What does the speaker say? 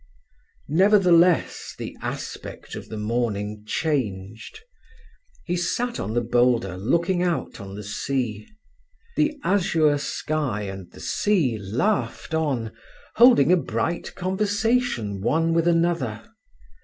Nevertheless, the aspect of the morning changed. He sat on the boulder looking out on the sea. The azure sky and the sea laughed on, holding a bright conversation one with another.